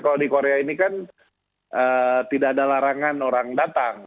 kalau di korea ini kan tidak ada larangan orang datang